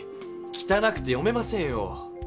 きたなくて読めませんよ。